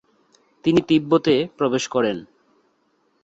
তিনি তিব্বতে প্রবেশ করেন।